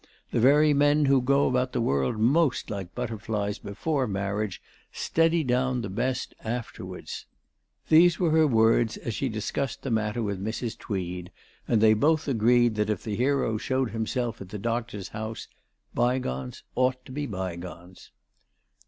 The very men who go about the world most like butterflies before marriage " steady down the best " afterwards. These were her words as she discussed the matter with Mrs. ALICE DUGDALE. 407 Tweed, and they both, agreed that if the hero showed himself again at the doctor's house " bygones ought to be bygones."